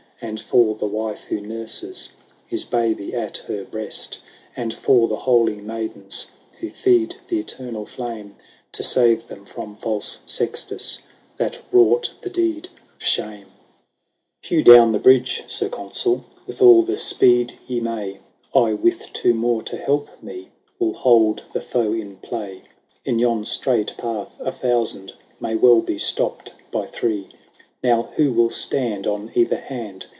And for the wife who nurses His baby at her breast. And for the holy maidens Who feed the eternal flame. To save them from false Sextus That wrought the deed of shame ? HORATIUS. 57 XXIX. " Hew down the bridge, Sir Consul, With all the speed ye may ; I, with two more to help me. Will hold the foe in play. In yon strait path a thousand May well be stopped by three. Now who will stand on either hand.